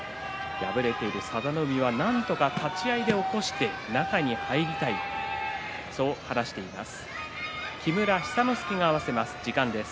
敗れている佐田の海はなんとか立ち合いで起こして中に入りたい、そう話しています。